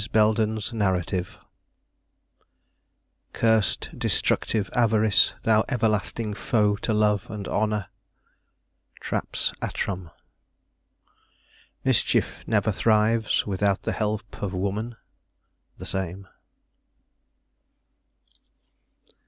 BELDEN'S NARRATIVE "Cursed, destructive Avarice, Thou everlasting foe to Love and Honor." Trap's Abram. " Mischief never thrives Without the help of Woman." The Same.